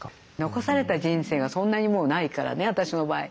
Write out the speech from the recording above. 残された人生がそんなにもうないからね私の場合。